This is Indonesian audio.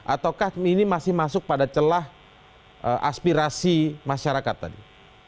ataukah ini masih masuk pada celah aspirasi masyarakat tadi